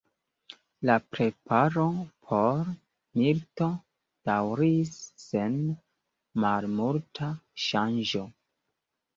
La preparo por milito daŭris sen malmulta ŝanĝo.